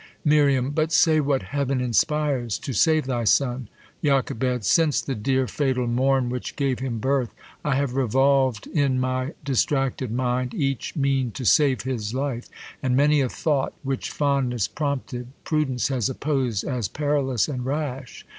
Mi}\ But say what Heav'n inspires, to save thy son Jock. Since the dear fatal morn which gave him birth I have revolv'd in my distracted mind Each mean to save his life : and many a thought, Which fondness prompted, prudence has oppos'd As perilous and rash.